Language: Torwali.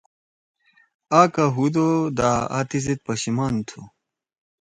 آں کا ہُودُو دا آ تیزید پشیمان تُھو